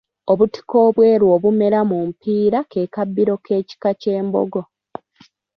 Obutiko ebweru obumera mu mpiira ke kabbiro k’ekika ky’Embogo.